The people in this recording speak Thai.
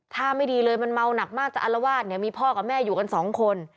ถ้าไม่ดีเลยมันเมาหนักมากจะอารวาสเนี่ยมีพ่อกับแม่อยู่กันสองคน